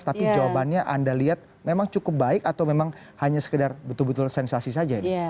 tapi jawabannya anda lihat memang cukup baik atau memang hanya sekedar betul betul sensasi saja ini